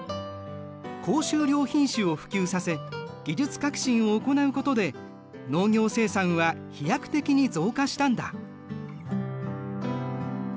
高収量品種を普及させ技術革新を行うことで農業生産は飛躍的に増加したんだ。